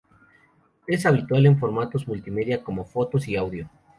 Es habitual en formatos multimedia como fotos y audio.